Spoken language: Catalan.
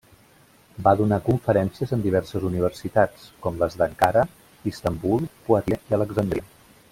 Va donar conferències en diverses universitats, com les d'Ankara, Istanbul, Poitiers i Alexandria.